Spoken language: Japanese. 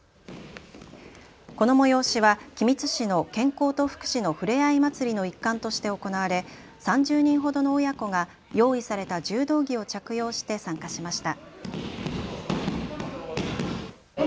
この催しは君津市の健康と福祉のふれあいまつりの一環として行われ、３０人ほどの親子が用意された柔道着を着用して参加しました。